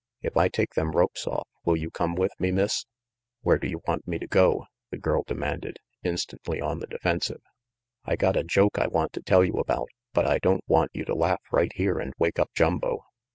"If I take them ropes off will you come with me, Miss?" " Where do you want me to go? " the girl demanded, instantly on the defensive. "I got a joke I want to tell you about, but I don't want you to laugh right here and wake up Jumbo.